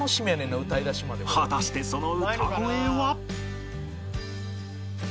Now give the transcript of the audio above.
果たしてその歌声は？